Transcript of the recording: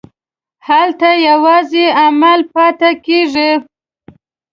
هلته یوازې عمل پاتې کېږي.